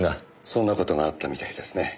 そんな事があったみたいですね。